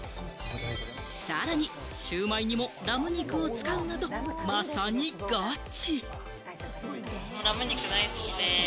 さらにシューマイにもラム肉を使うなど、まさにガチ。